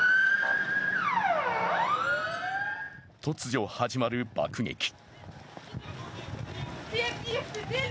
突如始まる爆撃。